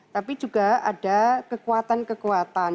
tapi juga ada kekuatan kekuatan